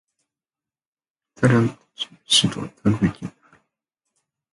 ザールラント州の州都はザールブリュッケンである